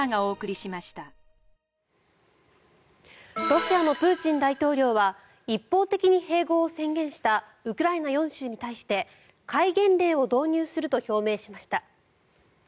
ロシアのプーチン大統領は一方的に併合を宣言したウクライナ４州に対して厳戒令を導入すると表明しました。